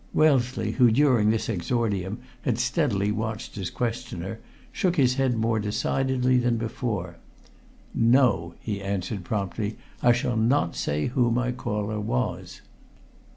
Wellesley, who, during this exordium, had steadily watched his questioner, shook his head more decidedly than before. "No!" he answered promptly. "I shall not say who my caller was."